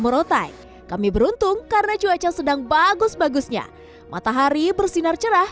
morotai kami beruntung karena cuaca sedang bagus bagusnya matahari bersinar cerah